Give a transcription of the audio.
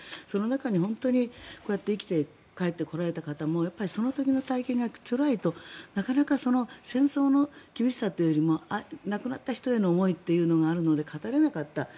その中に本当にこうやって生きて帰ってこられた方もその時の体験がつらいとなかなか戦争の厳しさというよりも亡くなった人への思いというのがあるので語れなかった。